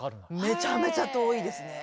めちゃめちゃ遠いですね。